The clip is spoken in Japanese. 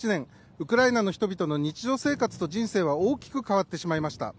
ウクライナの人々の日常生活と人生は大きく変わってしまいました。